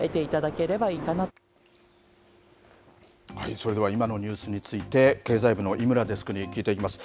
それでは今のニュースについて、経済部の井村デスクに聞いていきます。